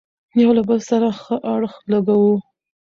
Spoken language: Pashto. يو له بل سره ښه اړخ لګوو،